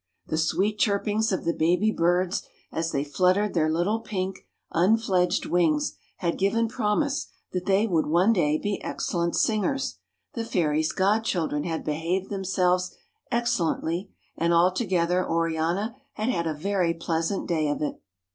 The sweet chirpings of the baby birds as they flut tered their little pink, unfledged wings had given promise that they would one day be excellent singers, the fairy's god chil dren had behaved themselves excellently, and altogether Oriana had had a very pleasant day of it.